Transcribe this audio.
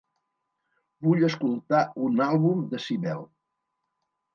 Vull escoltar un àlbum de Sibel.